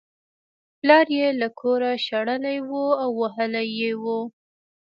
پلار یې له کوره شړلی و او وهلی یې و